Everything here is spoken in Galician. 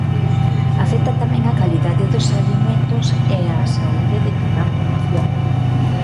Afecta tamén á calidade dos alimentos e á saúde de toda a poboación.